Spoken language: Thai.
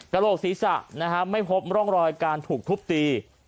โหลกศีรษะไม่พบร่องรอยการถูกทุบตี